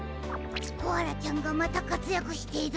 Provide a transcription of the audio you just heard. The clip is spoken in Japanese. コアラちゃんがまたかつやくしている。